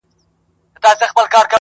اوس لا د گرانښت څو ټكي پـاتــه دي